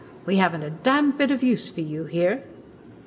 We haven't a damned bit of use for you here.'